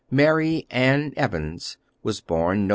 Mary Ann Evans was born Nov.